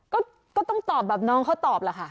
ก็ต้องตอบแบบน้องเขาตอบล่ะค่ะ